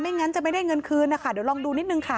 งั้นจะไม่ได้เงินคืนนะคะเดี๋ยวลองดูนิดนึงค่ะ